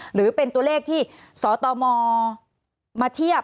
หรือเป็นตัวเลขที่สตมมาเทียบ